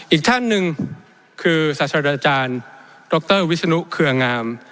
อีกท่านหนึ่งคือศาสตราจารย์ดรวิศนุเครืองาม